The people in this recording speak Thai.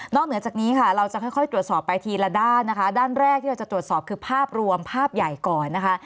เหนือจากนี้ค่ะเราจะค่อยตรวจสอบไปทีละด้านนะคะด้านแรกที่เราจะตรวจสอบคือภาพรวมภาพใหญ่ก่อนนะคะ